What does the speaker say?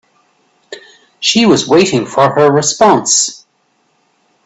She was waiting for her response.